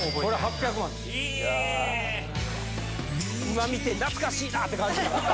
・今見て懐かしいなって感じ。